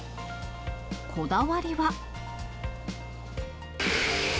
こだわりは。